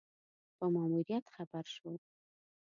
په ماموریت خبر شو.